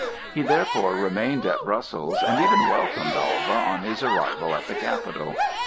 He therefore remained at Brussels, and even welcomed Alva on his arrival at the capital.